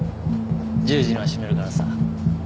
１０時には閉めるからさ。